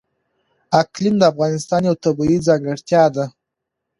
اقلیم د افغانستان یوه طبیعي ځانګړتیا ده.